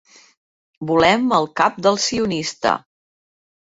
Volem el cap del sionista.